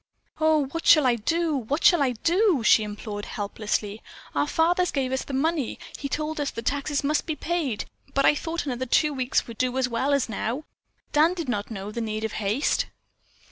"Oh, what shall I do? What shall I do?" she implored helplessly. "Our father gave us the money. He told us the taxes must be paid, but I thought another two weeks would do as well as now. Dan did not know the need of haste."